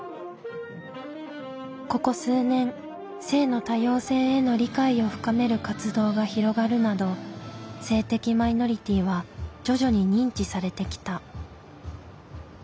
ここ数年性の多様性への理解を深める活動が広がるなど性的マイノリティーは徐々に認知されてきた。